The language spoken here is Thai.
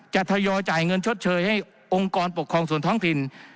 ทยอยจ่ายเงินชดเชยให้องค์กรปกครองส่วนท้องถิ่น